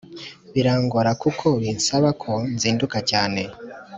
Birangora kuko binsaba ko nzinduka cyane